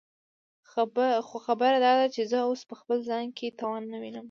خو خبره داده چې زه اوس په خپل ځان کې توان نه وينم.